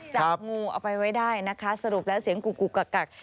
จับงูเอาไว้ได้นะคะสรุปแล้วเสียงกุกกัก